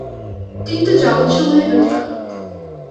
তিনি তো জগতসমূহের প্রতিপালক।